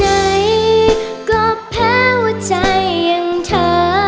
ไหนก็แพ้ว่าใจยังเธอ